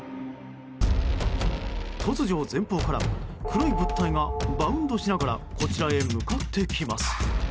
突如、前方から黒い物体がバウンドしながらこちらへ向かってきます。